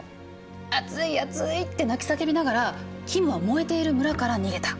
「熱い熱い」って泣き叫びながらキムは燃えている村から逃げた。